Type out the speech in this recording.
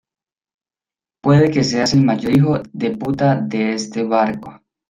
puede que seas el mayor hijo de puta de este barco